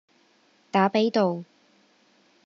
打比道